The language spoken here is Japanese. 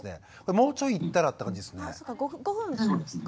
もうちょいいったらって感じですね。